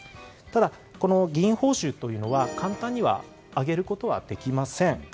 ただ、議員報酬というのは簡単に上げることはできません。